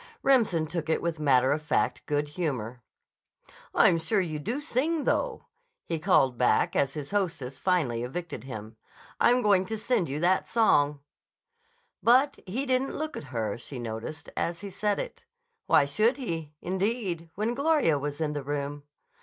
Remsen took it with matter of fact good humor. "I'm sure you do sing, though," he called back as his hostess finally evicted him. "I'm going to send you that song." But he didn't look at her, she noticed, as he said it. Why should he, indeed, when Gloria was in the room?